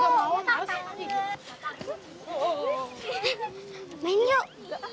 hei main yuk